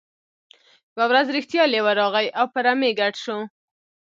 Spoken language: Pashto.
یوه ورځ رښتیا لیوه راغی او په رمې ګډ شو.